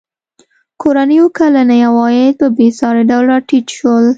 کورنیو کلني عواید په بېساري ډول راټیټ شول.